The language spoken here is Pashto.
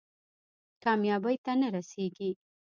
کامیابۍ ته نه رسېږي.